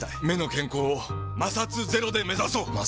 目の健康を摩擦ゼロで目指そう！